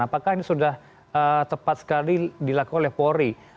apakah ini sudah tepat sekali dilakukan oleh polri